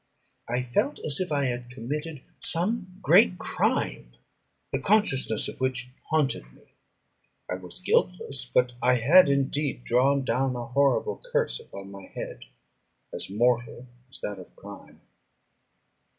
I felt as if I had committed some great crime, the consciousness of which haunted me. I was guiltless, but I had indeed drawn down a horrible curse upon my head, as mortal as that of crime.